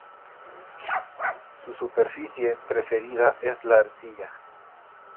Su superficie preferida es la arcilla.